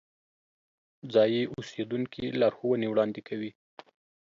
ځایی اوسیدونکي لارښوونې وړاندې کوي.